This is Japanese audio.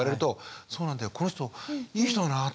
この人いい人だなって思ったり。